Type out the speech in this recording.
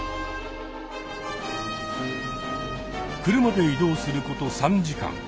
車で移動すること３時間。